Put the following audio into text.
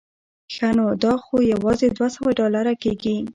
ښه نو دا خو یوازې دوه سوه ډالره کېږي.